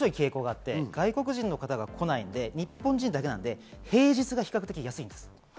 面白い傾向があって、外国人が来ないので、日本人だけなので平日が比較的安いんです。